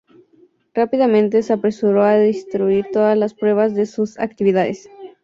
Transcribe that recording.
Rápidamente se apresuró a destruir todas las pruebas de sus actividades.